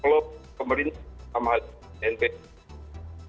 kalau pemerintah sama hal bnpb